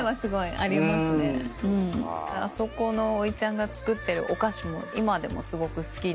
あそこのおいちゃんが作ってるお菓子も今でもすごく好きで。